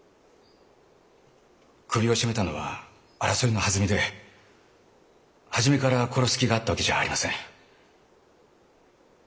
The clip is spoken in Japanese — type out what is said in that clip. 首を絞めたのは争いのはずみで初めから殺す気があったわけじゃありません。